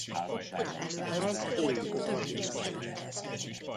Az Oi!